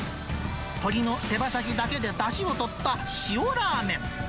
鶏の手羽先だけでだしをとった塩ラーメン。